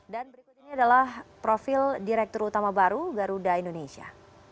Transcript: dan berikutnya adalah profil direktur utama baru garuda indonesia